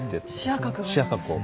視野角が。